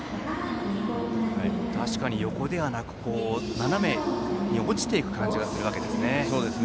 確かに横ではなく、斜めに落ちていく感じがするんですね。